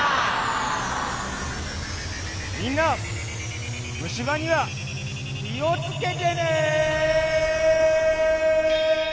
みんなむしばにはきをつけてね。